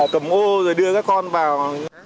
cầm ô rồi đưa các con vào